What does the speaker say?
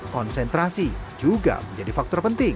konsentrasi juga menjadi faktor penting